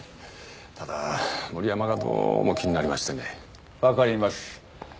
ただ森山がどうも気になりましてね分かります